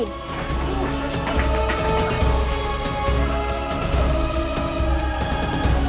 itu kan pelang sendiri